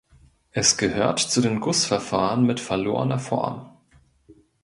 Es gehört zu den Gussverfahren mit verlorener Form.